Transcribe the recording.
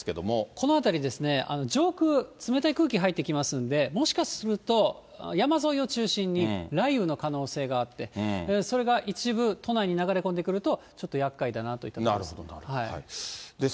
このあたりですね、上空、冷たい空気、入ってきますんで、もしかすると、山沿いを中心に、雷雨の可能性があって、それが一部、都内に流れ込んでくると、ちょっとやっかいだなといったところです。